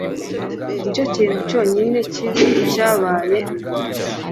Nicyo kintu cyonyine kibi cyabaye uyu munsi